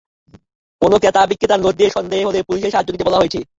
কোনো ক্রেতা বিক্রেতার নোট নিয়ে সন্দেহ হলে পুলিশের সাহায্য নিতে বলা হয়েছে।